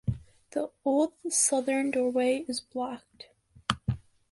The old southern doorway is blocked.